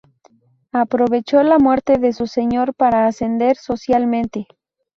Aprovechó la muerte de su señor para ascender socialmente.